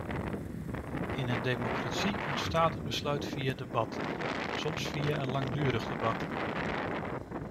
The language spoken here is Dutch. In een democratie ontstaat een besluit via debat, soms via langdurig debat.